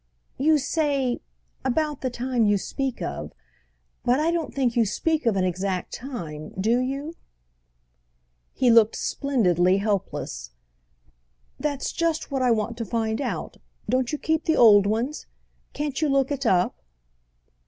"You say 'about the time you speak of.' But I don't think you speak of an exact time—do you?" He looked splendidly helpless. "That's just what I want to find out. Don't you keep the old ones?—can't you look it up?"